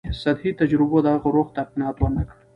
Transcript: سطحي تجربو د هغه روح ته قناعت ورنکړ.